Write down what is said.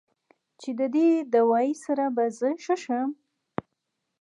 چې د دې دوائي سره به زۀ ښۀ شم